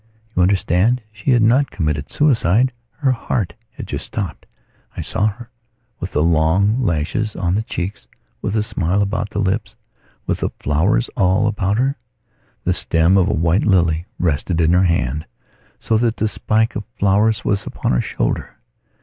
You understand she had not committed suicide. Her heart had just stopped. I saw her, with the long lashes on the cheeks, with the smile about the lips, with the flowers all about her. The stem of a white lily rested in her hand so that the spike of flowers was upon her shoulder.